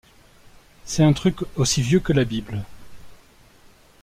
C’est un truc aussi vieux que la Bible.